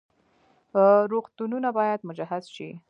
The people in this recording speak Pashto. روغتونونه باید مجهز شي